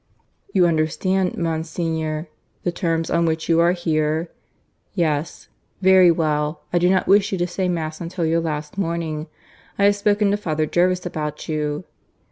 "You understand, Monsignor, the terms on which you are here? Yes. Very well. I do not wish you to say Mass until your last morning. I have spoken to Father Jervis about you.